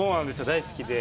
大好きで。